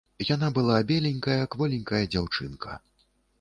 Яна была беленькая, кволенькая дзяўчынка.